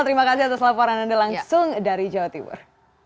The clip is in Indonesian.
terima kasih atas laporan anda langsung dari jawa timur